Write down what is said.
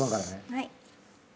はい。